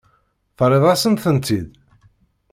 Terriḍ-asen-tent-id?